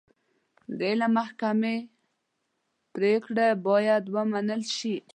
د عدلي محکمې پرېکړې باید ومنل شي.